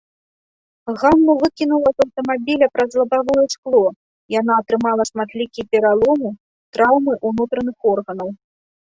Ганну выкінула з аўтамабіля праз лабавое шкло, яна атрымала шматлікія пераломы, траўмы ўнутраных органаў.